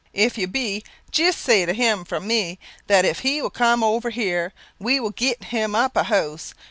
If you be, jist say to him, from me, that if he will come over here, we will get him up a house.